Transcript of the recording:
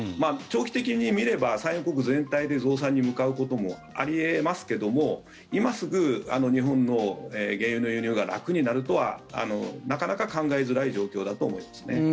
長期的に見れば産油国全体で増産に向かうこともあり得ますけども、今すぐ日本の原油の輸入が楽になるとはなかなか考えづらい状況だと思いますね。